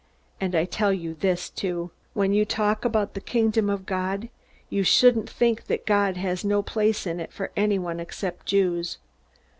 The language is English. And I tell you this too: When you talk about the Kingdom of God you shouldn't think that God has no place in it for anyone except Jews.